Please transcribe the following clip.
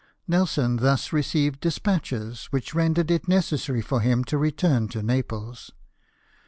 Nelson thus received despatches which rendered it necessary for him to return to Naples.